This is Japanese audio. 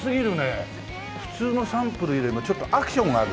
普通のサンプルよりもちょっとアクションがあるね。